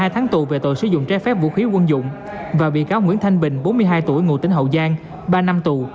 hai mươi tháng tù về tội sử dụng trái phép vũ khí quân dụng và bị cáo nguyễn thanh bình bốn mươi hai tuổi ngụ tỉnh hậu giang ba năm tù